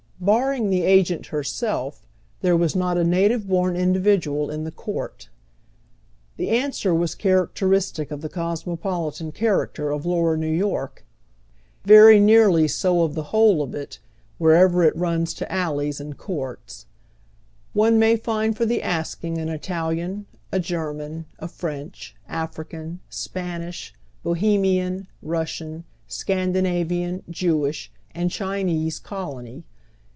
Barring the agent herself, there was not a iiative horn individual in the court. The answer was characteris tic of the cosmopolitan character of lower New York, very nearly so of the whole of it, wherever it runs to alleys and eoniis. One may find for the asking an Italian, a German, a French, African, Spanish, Bohemian, linssian, Scandina vian, Jewish, and Chinese colony.